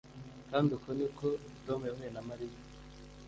kandi uko ni ko tom yahuye na mariya